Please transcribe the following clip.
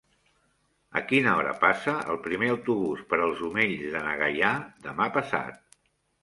A quina hora passa el primer autobús per els Omells de na Gaia demà passat?